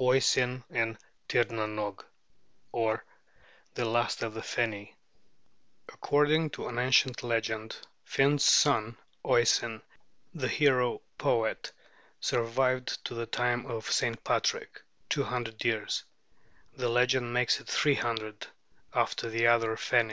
OISIN IN TIRNANOGE; or THE LAST OF THE FENI [According to an ancient legend, Finn's son Oisin, the hero poet, survived to the time of St. Patrick, two hundred years (the legend makes it three hundred) after the other Feni.